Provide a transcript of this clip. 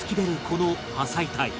この破砕帯